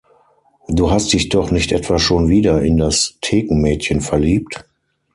Du hast dich doch nicht etwa schon wieder in das Thekenmädchen verliebt?